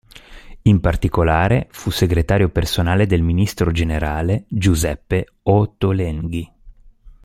In particolare fu segretario personale del ministro generale Giuseppe Ottolenghi.